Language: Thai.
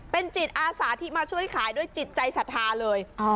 เป็นจิตอาสาที่มาช่วยขายด้วยจิตใจสัทธาเลย